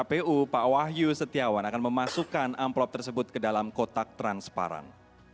kpu pak wahyu setiawan akan memasukkan amplop tersebut ke dalam kotak transparan